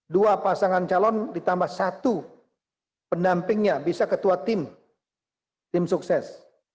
dua pasangan calon ditambah satu pendampingnya bisa ketua tim tim sukses